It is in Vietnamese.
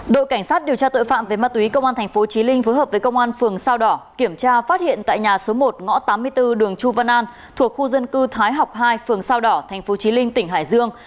đội cảnh sát điều tra tội phạm về ma túy công an tp chí linh phối hợp với công an phường sao đỏ kiểm tra phát hiện tại nhà số một ngõ tám mươi bốn đường chu văn an thuộc khu dân cư thái học hai phường sao đỏ tp chí linh tỉnh hải dương